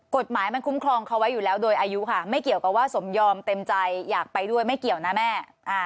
กฎหมายมันคุ้มครองเขาไว้อยู่แล้วโดยอายุค่ะไม่เกี่ยวกับว่าสมยอมเต็มใจอยากไปด้วยไม่เกี่ยวนะแม่